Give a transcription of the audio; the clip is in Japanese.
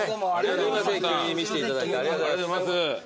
急に見していただいてありがとうございます。